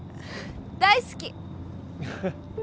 大好き